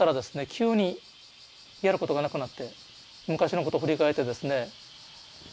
急にやることがなくなって昔のこと振り返ってですね生々しく